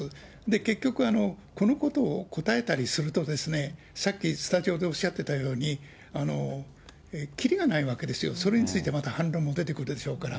結局、このことを答えたりすると、さっきスタジオでおっしゃってたように、きりがないわけですよ、それについてまた反論も出てくるでしょうから。